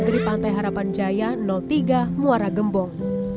di pantai harapan jaya tiga muara gembong